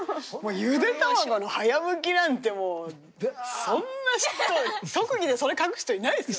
ゆで卵の早むきなんてもうそんな人特技でそれ書く人いないですよ。